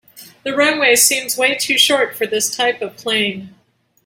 The runway seems way to short for this type of plane.